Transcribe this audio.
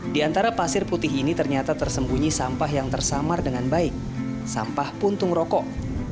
di antara pasir putih ini ternyata tersembunyi sampah yang tersamar dengan baik sampah puntung rokok